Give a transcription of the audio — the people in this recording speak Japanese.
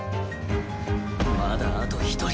まだあと１人